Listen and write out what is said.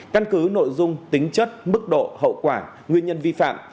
căn cứ nội dung tính chất mức độ hậu quả nguyên nhân vi phạm